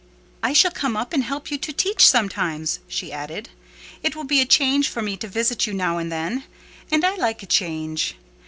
"I shall come up and help you to teach sometimes," she added. "It will be a change for me to visit you now and then; and I like a change.